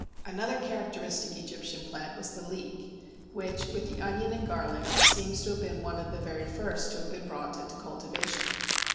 Another characteristic Egyptian plant was the Leek, which with the onion and garlic seems to have been one of the very first to be brought into cultivation.